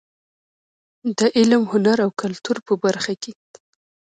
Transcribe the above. د علم، هنر او کلتور په برخه کې.